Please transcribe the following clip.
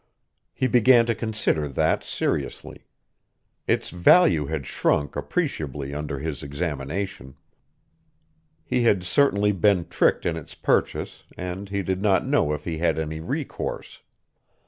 He began to consider that seriously. Its value had shrunk appreciably under his examination. He had certainly been tricked in its purchase and he did not know if he had any recourse.